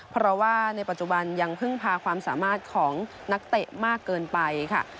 เพราะว่าในปัจจุบันยังพึ่งพาความสามารถของนักเตะมากเกินไปค่ะ